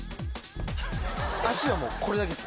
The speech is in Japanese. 足はもうこれだけです。